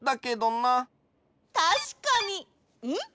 たしかにん？